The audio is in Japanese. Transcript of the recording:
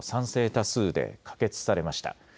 多数で可決されました。